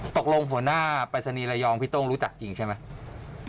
หัวหน้าปรายศนีย์ระยองพี่โต้งรู้จักจริงใช่ไหม